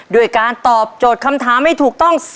ด้วยการตอบโจทย์คำถามให้ถูกต้อง